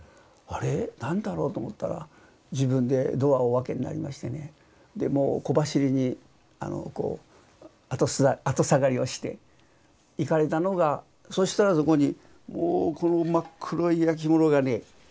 あれ何だろう？と思ったら自分でドアをお開けになりましてねでもう小走りに後下がりをして行かれたのがそしたらそこにもうこの真っ黒いやきものがね